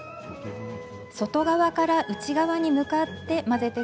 外側から内側に向かって混ぜて下さい。